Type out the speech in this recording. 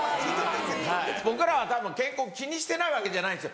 僕らはたぶん健康を気にしてないわけじゃないんです。